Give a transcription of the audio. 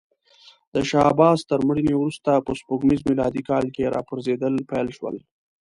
د شاه عباس تر مړینې وروسته په سپوږمیز میلادي کال کې راپرزېدل پیل شول.